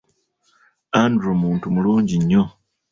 Andrew muntu mulungi nnyo.